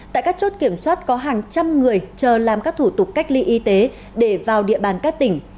tại các chốt kiểm soát có hàng trăm người chờ làm các thủ tục cách ly y tế để vào địa bàn các tỉnh